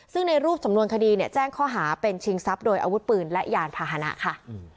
ซึ่งในรูปสำนวนคดีแจ้งข้อหาเป็นชิงทรัพย์โดยอาวุธปืนและยานพาหนะค่ะ